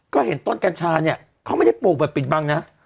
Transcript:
ก็เห็นต้นกัญชาเนี่ยเขาไม่ได้ปลูกแบบปิดบังนะ